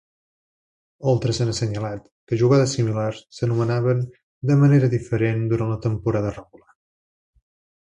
Altres han assenyalat que jugades similars s'anomenaven de manera diferent durant la temporada regular.